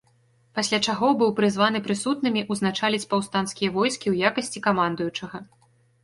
Пасля чаго быў прызваны прысутнымі ўзначаліць паўстанцкія войскі ў якасці камандуючага.